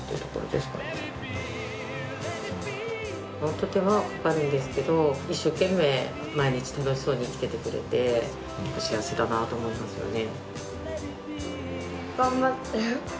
とても明るいですけど一生懸命毎日楽しそうに生きててくれて幸せだなと思いますよね。